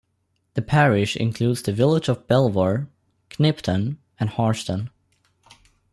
The parish includes the villages of Belvoir, Knipton and Harston.